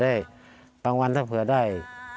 ครับผมบางวันถ้าเผื่อได้